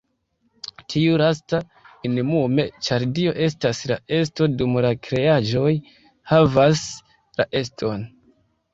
Tiu lasta, minimume, ĉar Dio estas la Esto dum la kreaĵoj "havas" la eston.